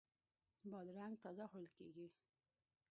بادرنګ تازه خوړل کیږي.